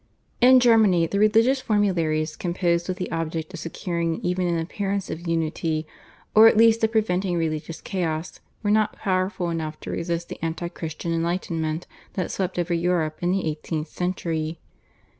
In Germany the religious formularies, composed with the object of securing even an appearance of unity or at least of preventing religious chaos, were not powerful enough to resist the anti Christian Enlightenment that swept over Europe in the eighteenth century.